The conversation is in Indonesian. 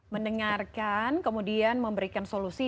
mendengarkan kemudian memberikan solusi